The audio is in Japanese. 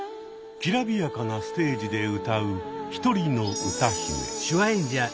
きらびやかなステージで歌う１人の歌姫。